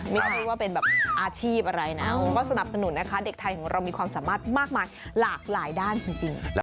ไม่ใช่ว่าเป็นแบบอาชีพอะไรนะก็สนับสนุนนะคะเด็กไทยของเรามีความสามารถมากมายหลากหลายด้านจริง